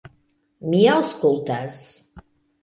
Mi aŭskultas...